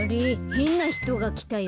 へんなひとがきたよ。